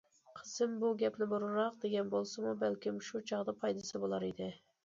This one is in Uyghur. قىزىم بۇ گەپنى بۇرۇنراق دېگەن بولسىمۇ بەلكىم شۇ چاغدا پايدىسى بۇلار ئىدى.